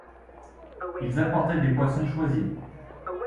Ils apportaient des poissons choisis.